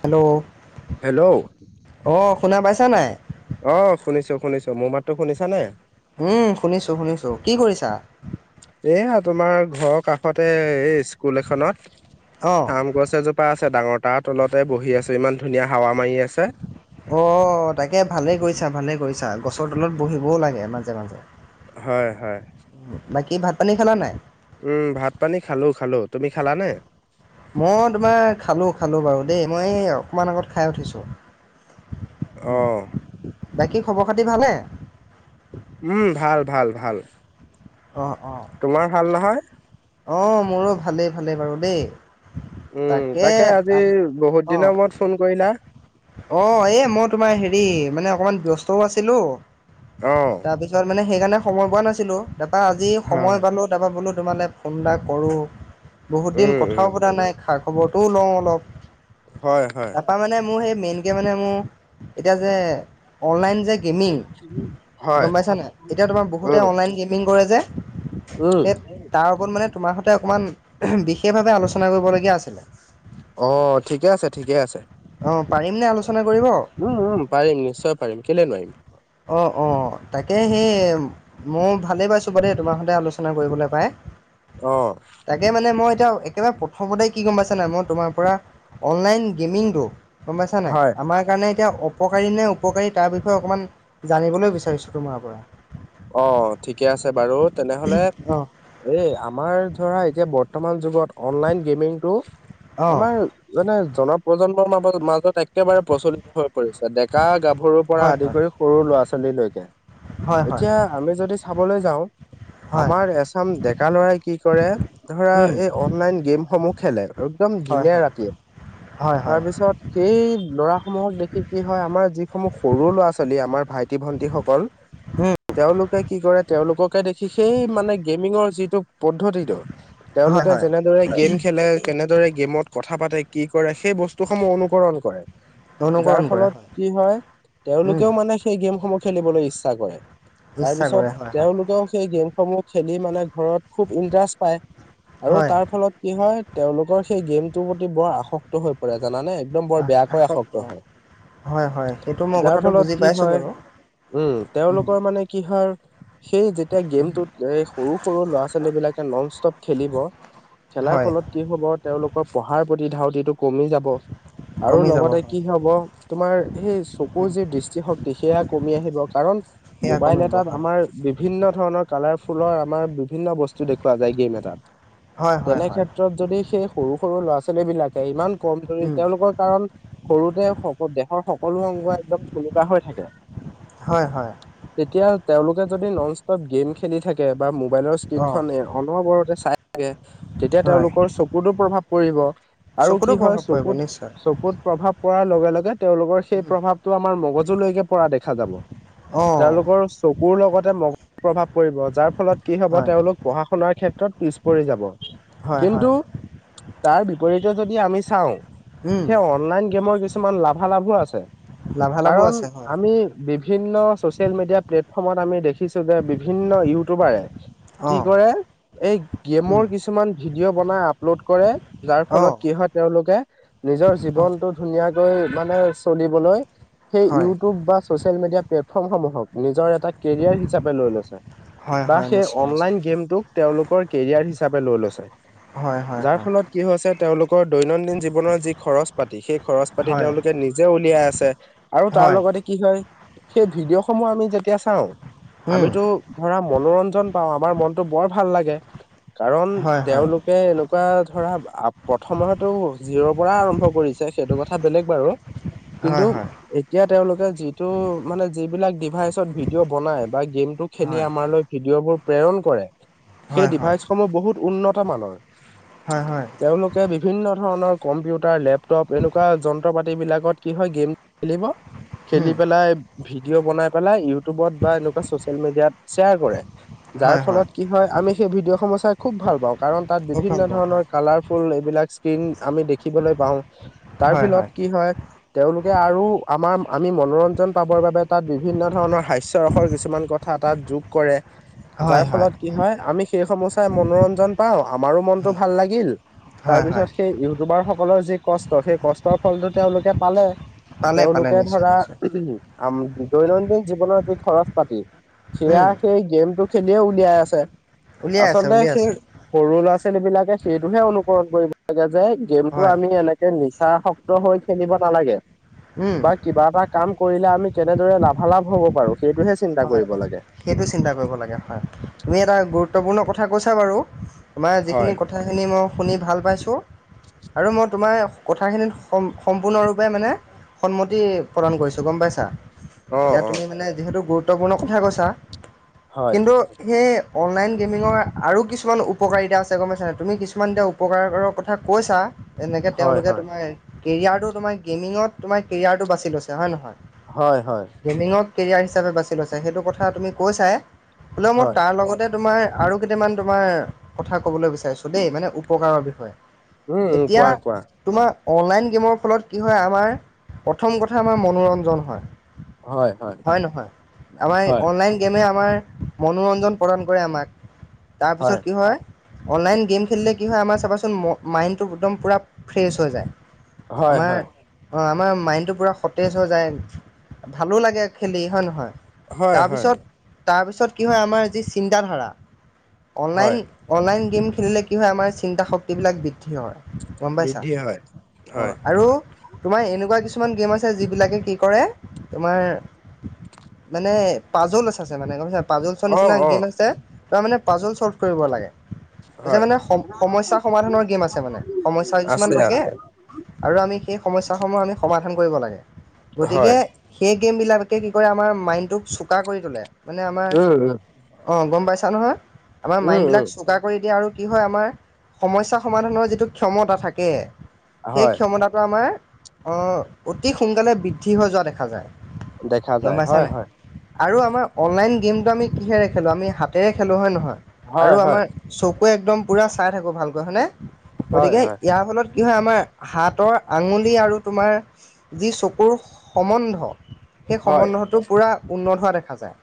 Hello hello অঁহ শুনা পাইছা নাই? অঁ শুনিছো শুনিছো, মোৰ মাততো শুনিছা নে? উম' শুনিছো শুনিছো, কি কৰিছা? এয়া তোমাৰ ঘৰৰ কাষতে এই স্কুল এখনত অঁ আম গছ এজোপ- পা আছে ডাঙৰ তাৰ তলতে বহি আছো ইমান ধুনীয়া হাৱা মাৰি আছে। অঁ তাকে ভালেই কৰিছা ভালে কৰিছা, গছৰ তলত বহিবও লাগে মাজে মাজে। হয় হয়। বাকী ভাত পানী খালা নাই? উম' ভাত পানী খালো খালো, তুমি খালানে? মই তোমাৰ খালো খালো বাৰু দেই মই অকমান আগত খাই উঠিছো। অ বাকী খবৰ খাতি ভালে। উম' ভাল ভাল ভাল। অঁ অঁ। তোমাৰ ভাল নহয়। অ মোৰো ভালেই ভালেই বাৰু দেই। উম তাকে আজি বহুত দিনৰ মূৰত ফোন কৰিলা! অ এ মই তোমাৰ হেৰি মানে অকমান ব্যস্তও আছিলো অ তাৰপিছত মানে সেইকাৰণে সময় পোৱা নাছিলোঁ, তাৰপৰা আজি হয় সময় পালোঁ তাৰপৰা বোলো তোমালে ফোন এটা কৰোঁ বহুত দিন উম উম কথাও পতা নাই খা খবৰটোও লওঁ অলপ হয় হয়। তাৰাপা মানে মোৰ সেই মেইনকে মানে মোৰ এতিয়া যে অনলাইন যে গেমিং হয় গম পাইছা নাই এতিয়া তোমাৰ উম বহুতে অনলাইন গেমিং কৰে যে উম সেই তাৰ ওপৰত মানে তোমাৰ সতে অকমান বিশেষ ভাৱে আলোচনা কৰিবলগীয়া আছিলে। অ ঠিকে আছে ঠিকে আছে। পাৰিম নে আলোচনা কৰিব? উম উম পাৰিম নিশ্চয় পাৰিম কেলে নোৱাৰিম। অ অ তাকে সেই মইও ভালে পাইছো বা দেই তোমাৰ সতে আলোচনা কৰিবলে পাই। অ তাকে মানে মই এতিয়া একেবাৰে প্ৰথমতে কি গম পাইছ নাই মই তোমাৰ পৰা অনলাইন গেমিংটো গম পাইছা নাই হয় আমাৰ কাৰণে এতিয়া অপকাৰী নে উপকাৰী তাৰ বিষয়ে অকণমান জানিবলৈ বিচাৰিছোঁ তোমাৰ পৰা। অ', ঠিকে আছে বাৰু তেনেহলে অঁ এই আমাৰ ধৰা এতিয়া বৰ্তমান যুগত অনলাইন গেমিংটো অঁ আমাৰ যেনে জনপ্ৰজন্মৰ মাজ মাজত একেবাৰে প্ৰচলিত হৈ পৰিছে ডেকা গাভৰুৰ পৰা হয় আদি কৰি সৰু ল'ৰা ছোৱালীলৈকে। হয় হয় এতিয়া আমি যদি চাবলৈ যাওঁ হয় হয় আমাৰ এচাম ডেকা লৰাই কি কৰে ধৰা উম এই অনলাইন গেমসমূহ খেলে একদম হয় দিনে ৰাতিয়ে হয় হয় হয় তাৰপিছত সেই ল'ৰা সমূহক দেখি কি হয় আমাৰ যিসমূহ সৰু ল'ৰা ছোৱালী আমাৰ ভাইটি ভন্টি সকল উম তেওঁলোকে কি কৰে তেওঁলোককে দেখি সেই মানে গেমিঙৰ যিটো পদ্ধতিটো হয় তেওঁলোকে হয় যেনেদৰে গেম খেলে কেনেদৰে গেমত কথা পাতে কি কৰে সেই বস্তুসমূহ অনুকৰণ কৰে। অনুকৰণ যাৰ কৰে ফলত কি হয় উম তেওঁলোকেও মানে সেই গেমসমূহ খেলিবলৈ ইচ্ছা কৰে। তাৰ ইচ্ছা পিছত কৰে হয় হয় তেওঁলোকেও সেই গেমসমূহ খেলি মানে ঘৰত খুব ইন্টাৰেষ্ট পায়। আৰু হয় তাৰ ফলত কি হয় তেওঁলোকৰ সেই গেমটোৰ প্ৰতি বৰ আসক্ত হৈ পৰে জানানে। একদম বৰ আ- বেয়াকৈ আসক্ত হয় হয। হয় হয় সেইটো মই যাৰ কথাটো ফলত বুজি কি পাইছোঁ হয় বাৰু উম তেওঁলোকৰ মানে কি হয় সেই যেতিয়া গেমটোত সৰু সৰু ল'ৰা ছোৱালী বিলাকে নন ষ্টপ খেলিব খেলাৰ হয় ফলত কি হব তেওঁলোকৰ পঢ়াৰ প্ৰতি ধাউতিটো কমি যাব আৰু কমি যাব লগতে হয় কি হব তোমাৰ সেই উম চকুৰ যি দৃষ্টিশক্তি সেয়া কমি আহিব কাৰণ সেয়া মোবাইল কমিব এটাত হয় আমাৰ বিভিন্ন ধৰণৰ কালাৰ ফুলৰ আমাৰ বিভিন্ন ব স্তু দেখুওৱা যায় গেম হয় এটাত হয় তেনে হয় ক্ষেত্ৰত যদি সেই সৰু সৰু ল'ৰা ছোৱালী বিলাকে ইমান কমজৰি উম তেওঁলোকৰ কাৰণ সৰুতে দেহৰ সকলো অংগ একদম থুলকা হৈ থাকে। হয় হয়। তেতিয়া তেওঁলোকে যদি নন ষ্টপ গেম খেলি থাকে বা মোবাইলৰ স্ক্ৰিন অ', খন অনবৰতে চাই থাকে তেতিয়া হয়। তেওঁলোকৰ চকুতো প্ৰভাৱ পৰিব আৰু চকুতো কি হয় প্ৰভাৱ পৰিব চকুত নিশ্চয়। চকুত প্ৰভাৱ পৰাৰ লগে লগে তেওঁলোকৰ সেই উম, প্ৰভাৱটো আমাৰ মগজুলৈকে পৰা দেখা যাব অ', তেওঁলোকৰ চকুৰ লগতে ম--জুৰ প্ৰভাৱ পৰিব যাৰ ফলত কি হব হয়, তেওঁলোক পঢ়া শুনাৰ ক্ষেত্ৰত পিছ পৰি যাব হয়, কিন্তু হয়। তাৰ বিপৰীতে যদি আমি চাওঁ উম, সেই অনলাইন গেমৰ কিছু কিছুমান লাভালাভো আছে লাভালাভো কাৰণ আছে হয়। আমি বিভিন্ন ছচিয়েল মিডিয়া প্লেটফৰ্মত আমি দেখিছো যে বিভিন্ন ইউটিউবাৰে কি অ', কৰে এই উম, গেমৰ কিছুমান ভিডিঅ' বনাই আপলোড কৰে যাৰ ফলত অ', কি হয় তেওঁলোকে নিজৰ অ', জীৱনটো ধুনীয়াকৈ মানে চলিবলৈ সেই হয়, ইউটিউব বা ছচিয়েল মিডিয়া প্লেটফৰ্মসমূহক নিজৰ এটা কেৰিয়াৰ হিচাপে লৈ লৈছে হয়, বা হয়, সেই নিশ্চয়, নিশ্চয়। অনলাইন গেমটোক তেওঁলোকৰ কেৰিয়াৰ হিচাপে লৈ লৈছে হয় হয়, যাৰ হয়, ফলত কি হৈছে তেওঁলোকৰ দৈনন্দিন জীৱনৰ যি খৰচ পাতি সেই খৰচ পাতি হয়, তেওঁলোকে নিজে উলিয়াই আছে আৰু তাৰ হয়, লগতে কি হয় সেই ভিডিঅ' সমূহ আমি যেতিয়া চাওঁ উম, আমিতো ধৰা মনোৰঞ্জন পাওঁ আমাৰ মনটো বৰ ভাল লাগে কাৰণ হয়, হয়, তেওঁলোকে এনেকুৱা ধৰা আ প্ৰথমেতো জিৰ'ৰ পৰা আৰম্ভ কৰিছে সেইটো কথা বেলেগ বাৰু কিন্তু হয় হয় এতিয়া তেওঁলোকে যিটো মানে যিবিলাক ডিভাইচত ভিডিঅ' বনাই বা গেম টো খেলি হয়, আমাৰলৈ ভিডিঅ' বোৰ প্ৰেৰণ কৰে সেই হয়, হয়, ডিভাইচসমহ বহুত উন্নত মানৰ হয় হয় তেওঁলোকে বিভিন্ন ধৰণৰ কম্পিউটাৰ লেপটপ এনেকুৱা যন্ত্ৰ পাতিবিলাকত কি হয় গেম খেলিব খেলি উম, পেলাই ভিডিঅ' বনাই পেলাই ইউটিউবত বা এনেকুৱা চচিয়েল মিডিয়াত শ্বেয়াৰ কৰে যাৰ ফলত কি হয় আমি সেই ভিডিঅ' সমূহ চাই খুব ভাল পাওঁ কাৰণ তাত খুব বিভিন্ন ভাল পাওঁ ধৰণৰ হয়, কালাৰফুল এইবিলাক কিন আমি দেখিবলৈ পাও তাৰ ফিলত কি হয় তেওঁলোকে আৰু আমাৰ আমি মনোৰঞ্জন পাবৰ বাবে তাত বিভিন্ন ধৰণৰ হাস্যৰসৰ কিছুমান কথা তাত যোগ কৰে যাৰ ফলত কি হয় আমি সেই সমুহ চাই মনোৰঞ্জন পাওঁ আমাৰো মনটো হয়, ভাল লাগিল তাৰ হয়, হয়, পিছত সেই ইউটিউবাৰ সকলৰ যি কষ্ট সেই কষ্টৰ ফলটো তেওঁলোকে পালে পালে, পালে তেওঁলোকে নিশ্চয়, ধৰা নিশ্চয়। আ-ম দৈনন্দিন জীৱনৰ যি খৰচ পাতি সেয়া উম, সেই গেমটো খেলিয়ে উলিয়াই আছে উলিয়াই আছে, আচলতে উলিয়াই সেই আছে। সৰু ল'ৰা ছোৱালী বিলাকে সেইটোহে অনুকৰণ কৰিব লাগে যে গেমটো হয়, আমি এনেক কৈ নিচা সক্ত হৈ খেলিব নালাগে উম বা কিবা এটা কাম কৰিলে আমি কেনেদৰে লাভালাভ হব পাৰো সেইটোহে চিন্তা হয় কৰিব লাগে। সেইটো চিন্তা কৰিব লাগে হয় তুমি এটা গুৰুত্বপূৰ্ণ কথা কৈছা বাৰু তোমাৰ যিখিনি হয়। কথাখিনি মই শুনি ভাল পাইছোঁ আৰু মই তোমাৰ কথাখিনিত সম সম্পূৰ্ণৰূপে মানে সন্মতি প্ৰদান কৰিছোঁ গম পাইছা অ', এতিয়া তুমি অ', মানে যিহেতু গুৰুত্বপূৰ্ণ কথাই কৈছা হয় কিন্তু সেই অনলাইন গেমিঙৰ আৰু কিছুমান উপকাৰিতা আছে গম পাইছা নাই তুমি কিছুমান এতিয়া উ উপকাৰৰ ঘৰ কথা কৈছা তেনেকে হয় তেওঁলোকে হয়। তোমাৰ কেৰিয়াৰটো তোমাৰ গেমিঙত তোমাৰ কেৰিয়াৰটো বাছি লৈছে হয় নহয় হয় হয় গেমিঙক কেৰিয়াৰ হিচাপে বাছি লৈছা সেইটো কথা তুমি কৈছা হলেও মই হয় তাৰ লগত তোমাৰ আৰু কেইটামান তোমাৰ কথা কবলৈ বিচাৰিছো দে মানে উপকাৰৰ বিষয়ে উম উম এতিয়া কোৱা কোৱা তোমাৰ অনলাইন গেমৰ ফলত কি হয় আমাৰ প্ৰথম কথা আমাৰ মনোৰঞ্জন হয় হয় হয় আমাৰ হয় অনলাইন গেমে আমাৰ মনোৰঞ্জন প্ৰদান কৰে আমাক তাৰপিছত কি হয় অনলাইন গেম খেলিলে কি হয় আমাৰ চাবা চোন মাইনটো একদম পুৰা ফ্ৰেছ হৈ যায় হয় আমাৰ হয় অঁ আমাৰ মাইণ্ডটো পুৰা সতেজ হৈ যায় ভালো লাগে খেলি হয় নহয় হয় হয় তাৰপিছত তাৰপিছত কি হয়, আমাৰ যি চিন্তাধাৰা হয় অনলাইন অনলাইন গেম খেলিলে কি হয়, আমাৰ চিন্তা শক্তিবিলাক বৃদ্ধি হয়। গম পাইছা? বৃদ্ধি হয় হয় অঁ', আৰু তোমাৰ এনেকুৱা কিছুমান গেম আছে, যিবিলাকে কি কৰে তোমাৰ মানে পাজলছ আছে মানে গম পাই, পাজলচৰ অ নিচিনা অ গেম আছে। তাৰ মানে পাজলছ চল্ভ কৰিব লাগে। হয় মানে সম সমস্যা সমাধানৰ গেম আছে মানে, সমস্যা কিছুমান আছে থাকে। আছে আৰু আমি সেই সমস্যাসমূহ আমি সমাধান কৰিব লাগে, গতিকে হয় সেই গেমবিলাকে কি কৰে, আমাৰ মাইণ্ডটোক চোকা কৰি তোলে, মানে আমাৰ উম উম অ', গম পাইছা নহয়, আমাৰ উম উম মাইণ্ডবিলাক চো চোকা কৰি দিয়ে আৰু কি হয় আমাৰ সমস্যা সমাধানৰ যিটো ক্ষমতা থাকে সেই হয় ক্ষমতাটো আমাৰ অ', অতি সোনকালে বৃদ্ধি হৈ যোৱা দেখা যায়। দেখা গম যায় পাইছা হয় নাই হয়। আৰু আমাৰ অনলাইন গেমটো আমি কিহেৰে খেলোঁ আমি হাতেৰে খেলোঁ হয় নহয় আৰু হয় হয় আমাৰ চকুৱে একদম পূৰা চাই থাকোঁ ভালকৈ হয়নে হয় গতিকে হয় ইয়াৰ ফলত কি হয় আমাৰ হাতৰ আঙুলি আৰু তোমাৰ যি চকুৰ সম্বন্ধ সেই হয় সম্বন্ধটো পূৰা উন্নত হোৱা দেখা যায়।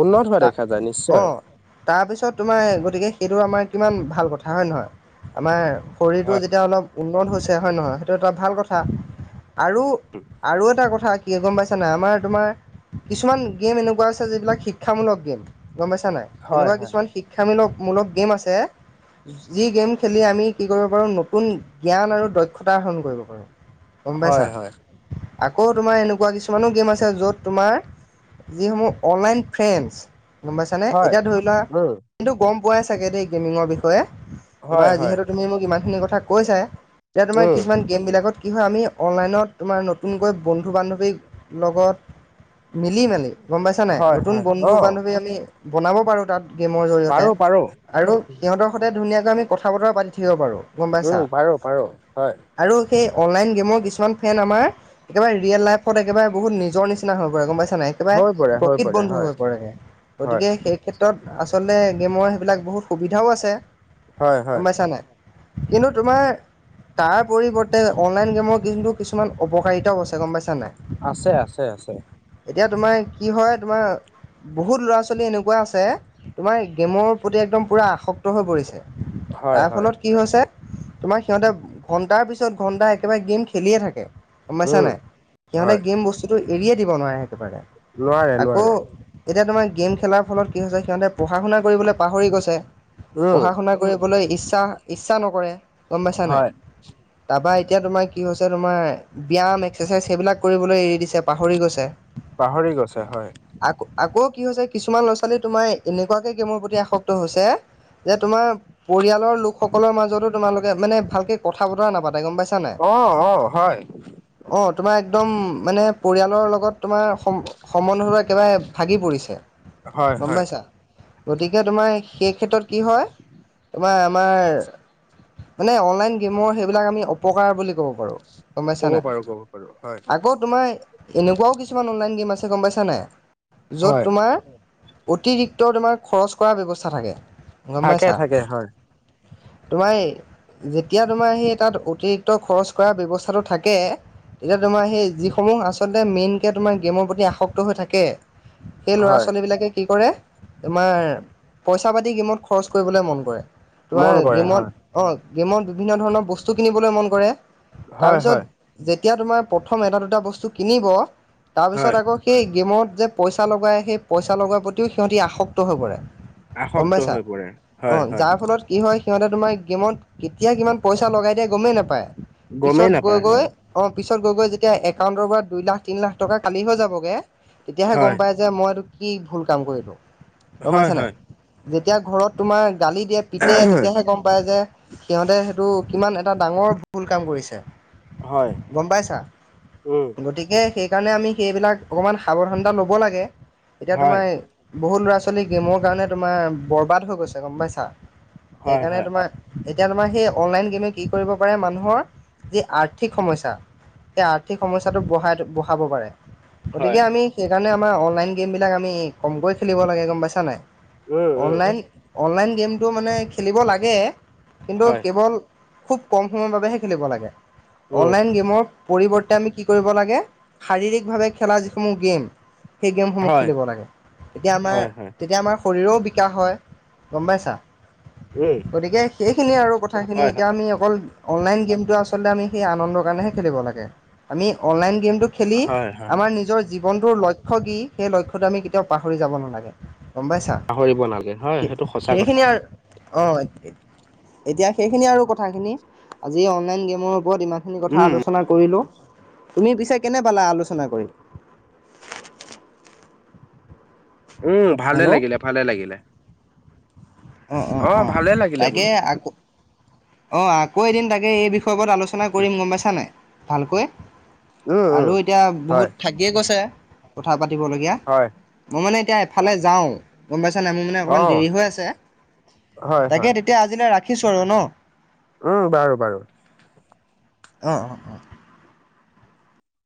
উন্নত হোৱা তা দেখা যায় নিশ্চয়। অ', তাৰপিছত তোমাৰ গতিকে সেইটো আমাৰ কিমান ভাল কথা হয় নহয়, আমাৰ শৰীৰটো হয় যেতিয়া অলপ উন্নত হৈছে হয় নহয়, সেইটো এটা ভাল কথা, আৰু উম'। আৰু এটা কথা কি গম পাইছানে, আমাৰ তোমাৰ কিছুমান গেম এনেকুৱা আছে যিবিলাক শিক্ষামূলক গেম গম পাইছা নাই, হয় এনেকুৱা কিছুমান শিক্ষামূলক মূলক গেম আছে। যি গেম খেলি আমি কি কৰিব পাৰো, নতুন জ্ঞান আৰু দক্ষতা আহৰণ কৰিব পাৰো। গম হয় পাইছা, হয় আকৌ তোমাৰ এনেকুৱা কিছুমানো গেম আছে য'ত তোমাৰ যিসমূহ অনলাইন ফ্ৰেণ্ডচ, গম পাইছানে, হয় হয় এতিয়া ধৰি লোৱা উম কিন্তু গম পোৱাই চাগে দেই গেমিঙৰ বিষয়ে, তোমাৰ হয় হয় যিহেতু তুমি মোক ইমানখিনি কথা কৈছাই। এতিয়া তোমাৰ উম কিছুমান গেমবিলাকত কি হয়, আমি অনলাইনত তোমাৰ নতুনকৈ বন্ধু বান্ধৱীৰ লগত মিলি মেলি গম পাইছা নাই, হয় নতুন হয় বন্ধু অ বান্ধৱী আমি বনাব পাৰো তাত। গেমৰ জৰিয়তে, পাৰো পাৰো আৰু সিহঁতৰ সৈতে ধুনীয়াকৈ আমি কথা বতৰা পাতি থাকিব পাৰোঁ। গম পাইছা উম', পাৰো পাৰো হয়। আৰু সেই অনলাইন গেমৰ কিছুমান ফ্ৰেণ্ড আমাৰ একেবাৰে ৰিয়েল লাইফত একেবাৰে বহুত নিজৰ নি হৈ পৰে গম পাইছা নাই, হৈ পৰে একেবাৰে হৈ প্ৰকৃত পৰে বন্ধু হয় হৈ পৰেগে, হয় গতিকে সেই ক্ষেত্ৰত আচলতে গেমৰ সেইবিলাক বহুত সুবিধাও আছে, হয় হয়। গম পাইছা নাই? কিন্তু তোমাৰ তাৰ পৰিৱৰ্তে অনলাইন গেমৰ কিন্তু কিছুমান অপকাৰিতাও আছে, গম পাইছা নাই? আছে আছে আছে এতিয়া তোমাৰ কি হয় তোমা বহুত ল'ৰা-ছোৱালী এনেকুৱা আছে, তোমাৰ গেমৰ প্ৰতি একদম পুৰা আসক্ত হৈ পৰিছে। হয় তাৰ হয় ফলত কি হৈছে, তোমাৰ সিহঁতে ঘন্টাৰ পিছত ঘন্টা একেবাৰে গেম খেলিয়ে থাকে। গম পাইছা উম নাই, সিহঁতে হয় গেম বস্তুটো এৰিয়ে দিব নোৱাৰে একেবাৰে, নোৱাৰে আকৌ নোৱাৰে এতিয়া তোমাৰ গেম খেলাৰ ফলত কি হৈছে, সিহঁতে পঢ়া শুনা কৰিবলৈ পাহৰি গৈছে। উম। পঢ়া- শুনা কৰিবলৈ ইচ্ছা ইচ্ছা নকৰে গম পাইছা নাই হয়। তাৰপা এতিয়া তোমাৰ কি হৈছে তোমাৰ ব্যাম, এক্সাৰচাইজ সেইবিলাক কৰিবলৈ এৰি দিছে। পাহৰি গৈছে। পাহৰি গৈছে হয়। আক আকৌ কি হৈছে কিছুমান ল'ৰা-ছোৱালী তোমাৰ এনেকুৱাকে গেমৰ প্ৰতি আসক্ত হৈছে যে তোমাৰ পৰিয়ালৰ লোকসকলৰ মাজতো তোমালোকে মানে ভালকে কথা বতৰা নাপাতে গম পাই অ অ হয়। অ তোমাৰ একদম মানে পৰিয়ালৰ লগত তোমাৰ সম্ সম্বন্ধয় একেবাৰে ভাগি পৰিছে হয় গম হয় পাইছা গতিকে তোমাৰ সেই ক্ষেত্ৰত কি হয় তোমাৰ আমাৰ মানে অনলাইন গেমৰ সেইবিলাক আমি অপকাৰ বুলি ক'ব পাৰোঁ। গম পাইছা ক'ব নাই, পাৰো ক'ব পাৰো হয়। আকৌ তোমাৰ এনেকুৱাও কিছুমান অনলাইন গেম আছে, গম পাইছা নাই য'ত হয় তোমাৰ অতিৰিক্ত তোমাৰ খৰচ কৰাৰ ব্যৱস্থা থাকে। গম থাকে পাইছা, থাকে হয় তোমাৰ যেতিয়া তোমাৰ সেই তাত অতি ৰিক্ত খৰছ কৰা ব্যৱস্থাটো থাকে তেতিয়া তোমাৰ সেই যিসমূহ আচলতে মেইনকে তোমাৰ গেমৰ প্ৰতি আসক্ত হৈ থাকে। সেই হয় ল'ৰা-ছোৱালীবিলাকে কি কৰে তোমাৰ পইচা পাতি গেমত খৰচ কৰিবলৈ মন কৰে। তোমাৰ মন কৰে গেমত হয় অঁ গেমত বিভিন্ন ধৰণৰ বস্তু কিনিবলৈ মন কৰে। হয় তাৰপিছত হয়। যেতিয়া তোমাৰ প্ৰথম এটা দুটা বস্তু কিনিব, তাৰপিছত হয় আকৌ সেই গেমত যে পইচা লগাই, সেই পইচা লগোৱাৰ প্ৰতিও সিহঁতি আসক্ত হৈ পৰে। গম আসক্ত পাইছা হৈ পৰে অ হয় হয় যাৰ ফলত কি হয়, সিহঁতে তোমাৰ গেমত কেতিয়া কিমান পইচা লগাই দিয়ে গমেই নাপায়, গমেই পিছত গৈ নাপায় গৈ হয় অ পিছত গৈ গৈ যেতিয়া একাউণ্টৰ পৰা দুই লাখ, তিনি লাখ টকা খালী হৈ যাব গে তেতিয়াহে গম হয়। পায় যে মই এইটো কি ভুল কাম কৰিলোঁ গম হয় পাইছা নাই হয় যেতিয়া ঘৰত তোমাৰ গালি দিয়ে পিতে তেতিয়াহে গম পায় যে সিহঁতে সেইটো কিমান এটা ডাঙৰ ভুল কাম কৰিছে। হয় গম পাইছা উম। গতিকে সেইকাৰণে আমি সেইবিলাক অকণমান সাৱধানতা ল'ব লাগে। এতিয়া হয় তোমাৰ বহুত ল'ৰা-ছোৱালী গেমৰ কাৰণে তোমাৰ বৰবাদ হৈ গৈছে গম পাইছা হয় সেইকাৰণে হয় তোমাৰ এতিয়া তোমাৰ সেই অনলাইন গেমে কি কৰিব পাৰে মানুহৰ যি আৰ্থিক সমস্যা সেই আৰ্থিক সমস্যাটো বঢ়াই বঢ়াব পাৰে। হয় গতিকে আমি সেইকাৰণে আমাৰ অনলাইন গেমবিলাক আমি কমকৈ খেলিব লাগে গম পাইছা নাই উম উম অনলাইন অনলাইন গেমটো মানে খেলিব লাগে, কিন্তু হয় কেৱল খুব কম সময়ৰ বাবেহে খেলিব লাগে। উম অনলাইন গেমৰ পৰিৱৰ্তে আমি কি কৰিব লাগে শাৰীৰিকভাৱে খেলা যিসমূহ গেম সেই গেমসমূহ হয় খেলিব লাগে। তেতিয়া আমাৰ হয় হয় তেতিয়া আমাৰ শৰীৰও বিকাশ হয়, গম পাইছা? উম গতিকে সেইখিনিয়ে আৰু কথাখিনি হয় হয় এতিয়া আমি অকল অনলাইন গেমটো আচলতে আমি সেই আনন্দৰ কাৰণেহে খেলিব লাগে। আমি অনলাইন গেমটো ক্সুৱেলী হয় হয়। আমাৰ নিজৰ জীৱনটোৰ লক্ষ্য কি, সেই লক্ষ্যটো আমি কেতিয়াও পাহৰি যাব নালাগে গম পাইছা? পাহৰিব নালগে, হয় সেইটো সঁচা কথা। অ', এতিয়া সেইখিনি আৰু কথাখিনি, আজি অনলাইন গেমৰ ওপৰত ইমান- এইখিনি কথা উম আলোচনা কৰিলো। তুমি পিছে কেনে পালা আলোচনা কৰি? উম, ভালে হেল্ল' লাগিলে, ভালে লাগিলে। অ', অ' অ', ভালে লাগিলে তাকে বোলো। আকৌ- অঁ, আকৌ এদিন তাকে এই বিষয়ৰ ওপৰত আলোচনা কৰিম গম পাইছা নাই ভালকৈ। উম উম আৰু এতিয়া হয় বহুত থাকিয়ে গৈছে কথা পাতিবলগীয়া। হয়। মই মানে এতিয়া এফালে যাওঁ। গম পাইছ নাই, মোৰ মানে অ অকণমান দেৰি হৈ আছে, হয় তাকে হয় তেতিয়া আজিলৈ ৰাখিছোঁ আৰু ন'। উম বাৰু, বাৰু। অঁ, অঁ, অঁ।